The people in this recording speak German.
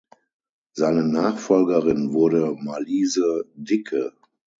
Seine Nachfolgerin wurde Marliese Dicke.